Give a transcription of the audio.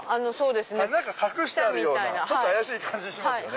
何か隠してあるような怪しい感じしますよね。